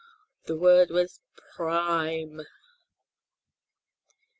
The word was Prime!